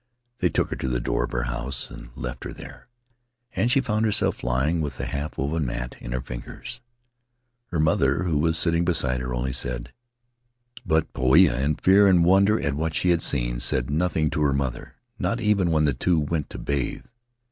They took her to the door of her house and left her there; and she found herself lying with the half woven mat in her fingers. Her mother, who was sitting beside her, only said, * You have slept well.' But Poia, in fear and wonder at what she had seen, said nothing to her mother, not even when the two went to bathe.